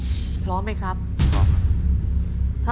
ถ้าพร้อมแล้วน้องบูมเลือกตอบตัวเลือกไหนครับ